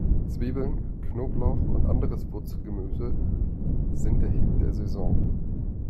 Zwiebeln, Knoblauch und anderes Wurzelgemüse sind der Hit der Saison.